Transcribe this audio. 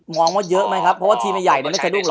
มองว่าเยอะไหมครับเพราะทีมใหญ่มันไม่ใช้ดุลหรอ